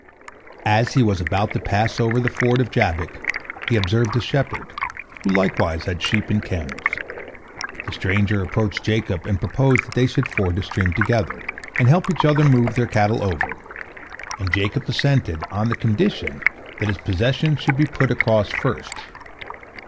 As he was about to pass over the ford of Jabbok, he observed a shepherd, who likewise had sheep and camels. The stranger approached Jacob and proposed that they should ford the stream together, and help each other move their cattle over, and Jacob assented, on the condition that his possessions should be put across first.